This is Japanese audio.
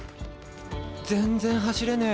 全然走れねえ。